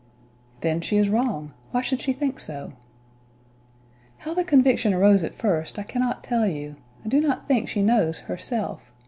"Then she is wrong. Why should she think so?" "How the conviction arose at first, I cannot tell you; I do not think she knows herself.